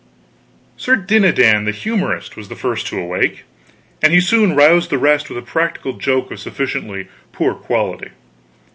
Sir Dinadan the Humorist was the first to awake, and he soon roused the rest with a practical joke of a sufficiently poor quality.